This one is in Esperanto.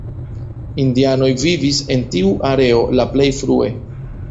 Indianoj vivis en tiu areo la plej frue.